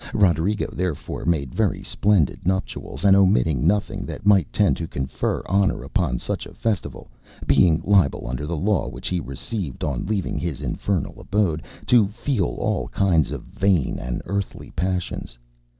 Roderigo, therefore, made very splendid nuptials, and omitted nothing that might tend to confer honour upon such a festival, being liable, under the law which he received on leaving his infernal abode, to feel all kinds of vain and earthly passions.